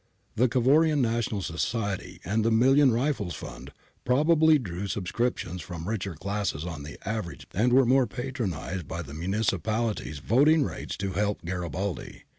The Cavourian National Society and the Million Rifles fund probably drew subscriptions from richer classes on the average, and were more patronised by the municipal ities voting rates to help Garibaldi.